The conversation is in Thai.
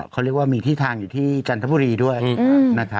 เขาเรียกว่ามีที่ทางอยู่ที่กัลภุรีด้วยนะครับ